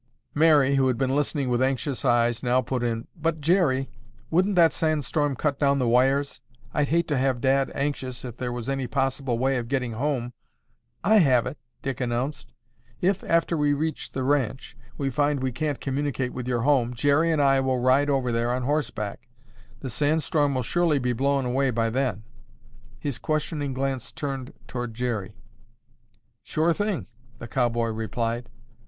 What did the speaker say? Mary, who had been listening with anxious eyes, now put in, "But, Jerry, wouldn't that sand storm cut down the wires? I'd hate to have Dad anxious if there was any possible way of getting home—" "I have it," Dick announced. "If, after we reach the ranch, we find we can't communicate with your home, Jerry and I will ride over there on horseback. The sand storm will surely be blown away by then." His questioning glance turned toward Jerry. "Sure thing," the cowboy replied.